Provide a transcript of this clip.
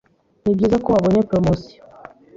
Nibyiza ko wabonye promotion.